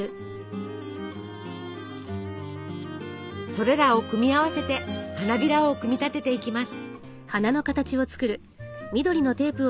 それらを組み合わせて花びらを組み立てていきます。